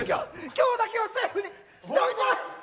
今日だけはセーフにしといて。